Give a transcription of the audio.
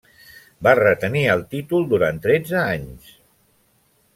Va retenir el títol durant tretze anys.